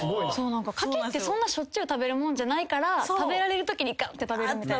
牡蠣ってそんなしょっちゅう食べるもんじゃないから食べられるときにガッて食べるみたいな。